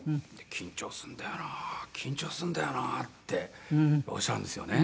「緊張するんだよな緊張するんだよな」っておっしゃるんですよね